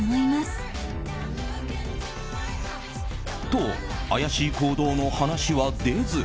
と、怪しい行動の話は出ず。